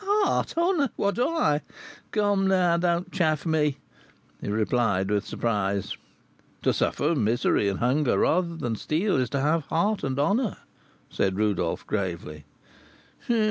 "Heart? honour? what, I? Come, now, don't chaff me," he replied, with surprise. "To suffer misery and hunger rather than steal, is to have heart and honour," said Rodolph, gravely.